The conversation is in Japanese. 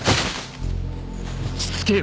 落ち着けよ。